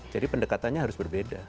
jadi pendekatannya harus berbeda